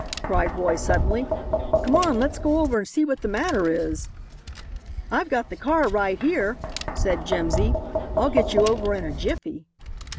cried Roy suddenly; "come on, let's go over and see what the matter is." "I've got the car right here," said Jimsy. "I'll get you over in a jiffy."